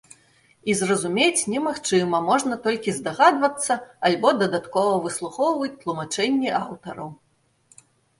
І зразумець немагчыма, можна толькі здагадвацца альбо дадаткова выслухоўваць тлумачэнні аўтараў.